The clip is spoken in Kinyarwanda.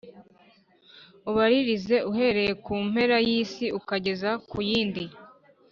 ubaririze uhereye ku mpera y’isi ukageza ku yindi: